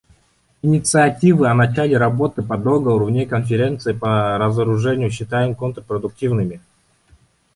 Инициативы о начале работы по договору вне Конференции по разоружению считаем контрпродуктивными.